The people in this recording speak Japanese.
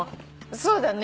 そうだね。